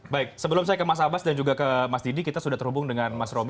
baik sebelum saya ke mas abbas dan juga ke mas didi kita sudah terhubung dengan mas romi